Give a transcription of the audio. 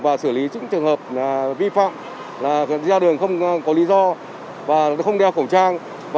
và xử lý những trường hợp vi phạm là ra đường không có lý do và không đeo khẩu trang